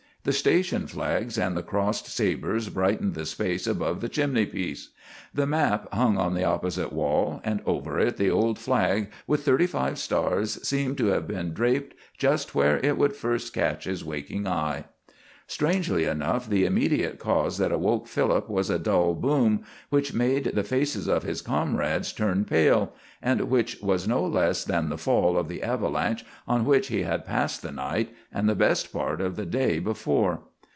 The station flags and the crossed sabers brightened the space above the chimneypiece. The map hung on the opposite wall, and over it the old flag with thirty five stars seemed to have been draped just where it would first catch his waking eye. Strangely enough, the immediate cause that awoke Philip was a dull boom which made the faces of his comrades turn pale, and which was no less than the fall of the avalanche on which he had passed the night and the best part of the day before.